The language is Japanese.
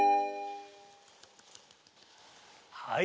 はい。